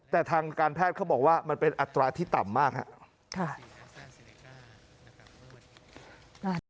แต่ทางการแพทย์เขาบอกว่ามันเป็นอัตราที่ต่ำมากครับ